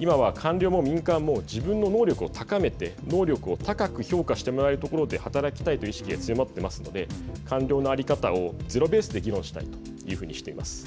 今は官僚も民間も自分の能力を高めて高く評価してもらえるところで働きたいという意識が強まっていますので官僚の在り方をゼロベースで議論したいというふうにしています。